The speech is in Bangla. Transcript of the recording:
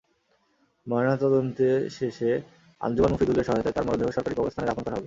ময়নাতদন্তে শেষে আঞ্জুমান মুফিদুলের সহায়তায় তাঁর মরদেহ সরকারি কবরস্থানে দাফন করা হবে।